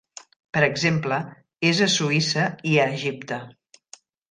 Per exemple, és a Suïssa i a Egipte.